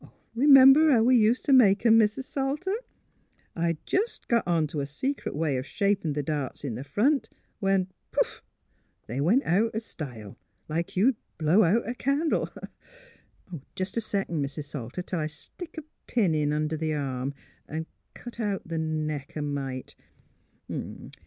R 'member how we ust t' make 'em. Mis' Salter? I'd jes' got ont' a secret way o' shapin' th' darts in front when — pouf !— they went out o' style, like you'd blow out a candle. ... Jes' a second, Mis' Salter, till I stick a pin in under the arm an' cut out th' neck a mite.